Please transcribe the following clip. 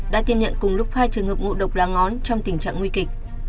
đã tiêm nhận cùng lúc hai trường hợp ngụ độc lá ngón trong tình trạng nguy kịch